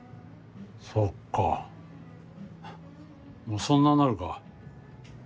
そっかもうそんなになるか。